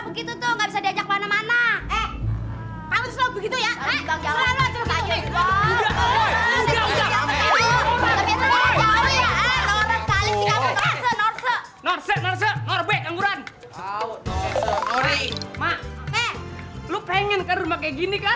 begitu tuh nggak bisa diajak mana mana begitu ya udah udah norse norse norse norse norse